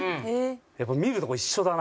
やっぱ見るとこ一緒だな